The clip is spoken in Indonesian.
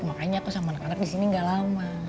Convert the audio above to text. makanya aku sama anak anak di sini gak lama